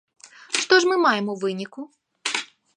Што ж мы маем у выніку?